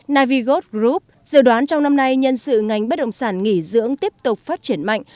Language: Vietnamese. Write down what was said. navigos group dự đoán trong năm nay nhân sự ngành bất động sản nghỉ dưỡng tiếp tục phát triển mạnh